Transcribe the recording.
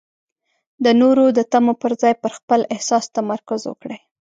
د نورو د تمو پر ځای پر خپل احساس تمرکز وکړئ.